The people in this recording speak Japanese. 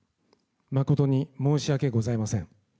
誠に申し訳ございません。